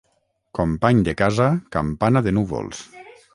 Company de casa, campana de núvols.